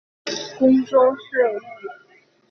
袁世凯指定端康太妃主持宫中事务。